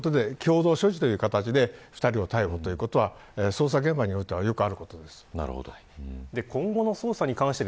そのようなことで共同所持ということで２人を逮捕ということは捜査現場においてよくあることです。